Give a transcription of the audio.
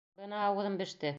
Бына ауыҙым беште.